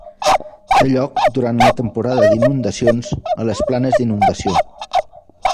Té lloc durant la temporada d'inundacions a les planes d'inundació.